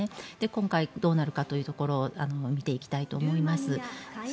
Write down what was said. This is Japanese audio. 今回、どうなるかというところを見ていきたいと思います。